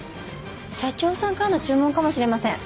社長さんからの注文かもしれません。